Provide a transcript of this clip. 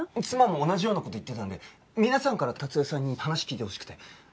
妻も同じような事言ってたんで皆さんから達代さんに話聞いてほしくて。